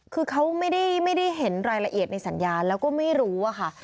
คือเขาไม่ได้เห็นรายละเอียดในสัญญาแล้วก็ไม่รู้อะค่ะ